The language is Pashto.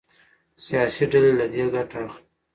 سياسي ډلې له دې ګټه اخلي.